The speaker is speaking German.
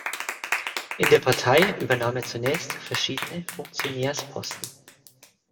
In der Partei übernahm er zunächst verschiedene Funktionärsposten.